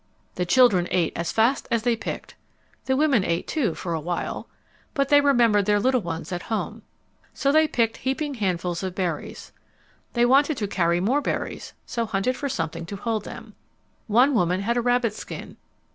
The children ate as fast as they picked. The women ate, too, for a while. [Illustration: The bottom of the basket] But they remembered their little ones at home. So they picked heaping handfuls of berries. They wanted to carry more berries, so hunted for something to hold them. One woman had a rabbit skin.